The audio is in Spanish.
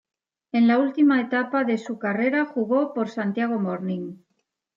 En la última etapa de su carrera jugó por Santiago Morning.